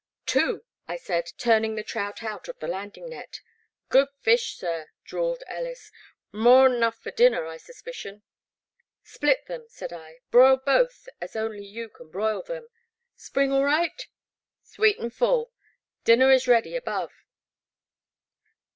Two/' I said, turning the trout out of the landing net. Good fish, sir,'' drawled Ellis, *• mor'n 'nuflF for dinner, I suspicion." Split them," said I, broil both as only you can broil them. Spring all right ?''Sweet an' full. Dinner is ready above."